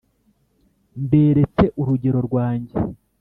Mberetse urugero rwanjye.